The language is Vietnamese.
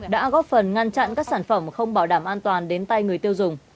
đã góp phần ngăn chặn các sản phẩm không bảo đảm an toàn đến tay người tiêu dùng